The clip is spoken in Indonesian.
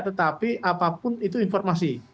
tetapi apapun itu informasi